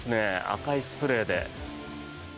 赤いスプレーで。